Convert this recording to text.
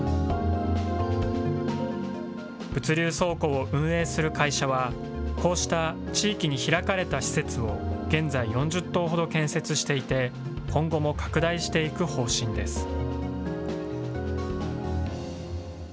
物流倉庫を運営する会社は、こうした地域に開かれた施設を現在４０棟ほど建設していて、今後も拡大していく方針です。